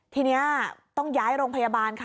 ทีนี้ต้องย้ายโรงพยาบาลค่ะ